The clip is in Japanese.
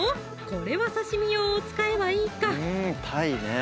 これは刺身用を使えばいいか！